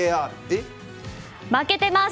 負けてます！